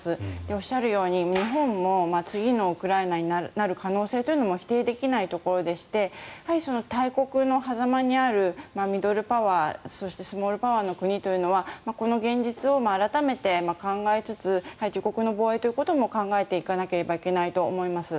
おっしゃるように日本も次のウクライナになる可能性というのも否定できないところでしてやはり大国の狭間にあるミドルパワーそしてスモールパワーの国というのはこの現実を改めて考えつつ自国の防衛ということも考えていかなければいけないと思います。